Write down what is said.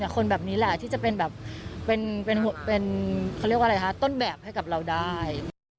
คนแบบนี้แหละที่จะเป็นต้นแบบให้กับเราได้